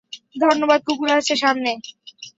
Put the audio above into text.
ধন্যবাদ কুকুর আছে, সামলে।